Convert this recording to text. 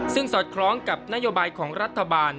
ซึ่งสอดคล้องกับนโยบายของรัฐบาล